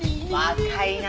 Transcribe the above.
若いな。